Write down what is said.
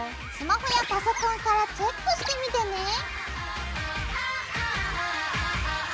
スマホやパソコンからチェックしてみてね。